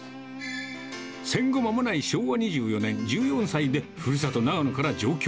戦後間もない昭和２４年、１４歳でふるさと、長野から上京。